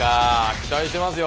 期待してますよ。